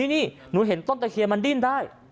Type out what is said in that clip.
นี่หนูเห็นต้นตะเคียนมันดิ้นได้